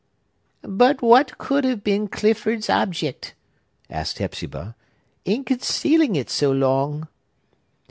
"But what could have been Clifford's object," asked Hepzibah, "in concealing it so long?"